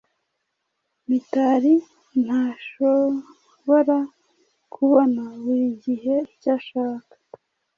Mitari ntashobora kubona buri gihe icyo ashaka.